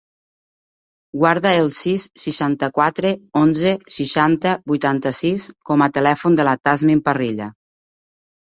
Guarda el sis, seixanta-quatre, onze, seixanta, vuitanta-sis com a telèfon de la Tasnim Parrilla.